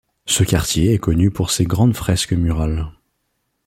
Ce quartier est connu pour ses grandes fresques murales.